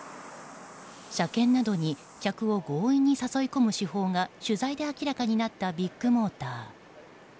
車検などに客を強引に誘い込む手法が取材で明らかになったビッグモーター。